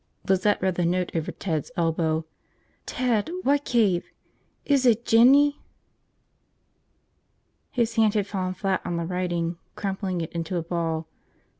Lizette read the note over Ted's elbow. "Ted, what cave? Is it Jinny?" His hand had fallen flat on the writing, crumpling it into a ball.